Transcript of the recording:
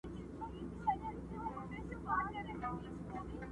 او ژوند يې له خطر سره مخ کيږي